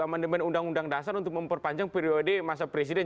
amandemen undang undang dasar untuk memperpanjang periode masa presiden